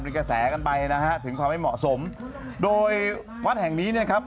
มีกระแสกันไปนะฮะถึงความไม่เหมาะสมโดยวัดแห่งนี้เนี่ยครับ